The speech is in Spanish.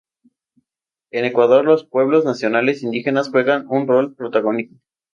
En Ecuador los pueblos y nacionalidades indígenas juegan un rol protagónico.